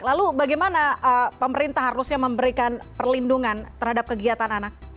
lalu bagaimana pemerintah harusnya memberikan perlindungan terhadap kegiatan anak